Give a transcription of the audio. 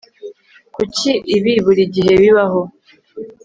Kuki ibi buri gihe bibaho